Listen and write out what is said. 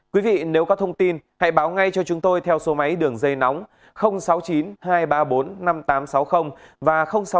quý vị nếu có thông tin hãy báo ngay cho chúng tôi theo số máy đường dây nóng sáu mươi chín hai trăm ba mươi bốn năm nghìn tám trăm sáu mươi và sáu mươi chín hai trăm ba mươi hai một nghìn sáu trăm bảy